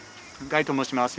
ガイと申します。